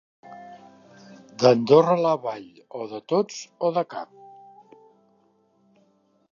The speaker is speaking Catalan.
D'Andorra la Vall, o de tots o de cap.